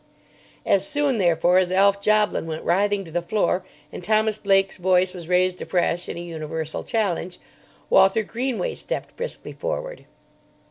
As soon, therefore, as Alf Joblin went writhing to the floor, and Thomas Blake's voice was raised afresh in a universal challenge, Walter Greenway stepped briskly forward.